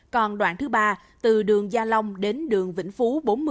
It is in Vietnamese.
còn đoạn thứ ba từ đường gia long đến đường vĩnh phú bốn mươi